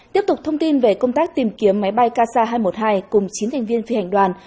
tiếp tục thông tin về công tác tìm kiếm máy bay ksa hai trăm một mươi hai cùng chín thành viên phi hành đoàn